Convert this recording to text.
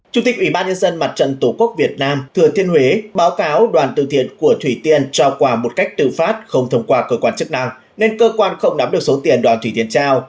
chủ tịch ủy ban nhân dân mặt trận tổ quốc việt nam thừa thiên huế báo cáo đoàn từ thiện của thủy tiên trao quà một cách tư pháp không thông qua cơ quan chức năng nên cơ quan không nắm được số tiền đoàn thủy thiên trao